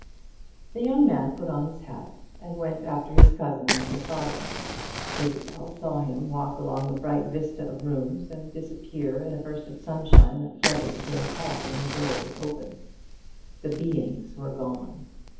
The young man put on his hat, and went after his cousin and her father. Isabel saw him walk along the bright vista of rooms, and disappear in a burst of sunshine that flooded the great hall when the door was opened. The beings were gone.